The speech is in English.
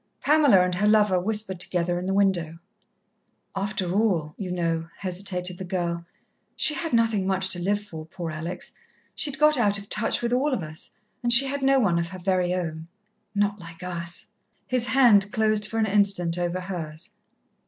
Pamela and her lover whispered together in the window. "After all, you know," hesitated the girl, "she had nothing much to live for, poor Alex. She'd got out of touch with all of us and she had no one of her very own." "Not like us." His hand closed for an instant over hers.